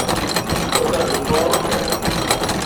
Ur tɛellmeḍ ara axir.